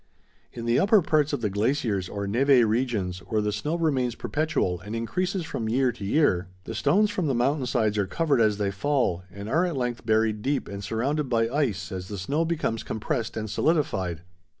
In the upper parts of the glaciers or névé regions, where the snow remains perpetual and increases from year to year, the stones from the mountain sides are covered as they fall, and are at length buried deep and surrounded by ice as the snow becomes compressed and solidified.